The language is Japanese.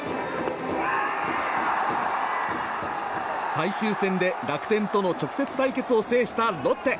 最終戦で楽天との直接対決を制したロッテ。